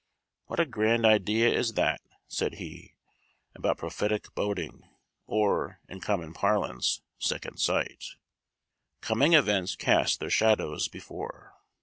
"What a grand idea is that," said he, "about prophetic boding, or, in common parlance, second sight 'Coming events cast their shadows before.'